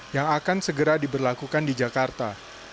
yang akan segera diberlakukan di jakarta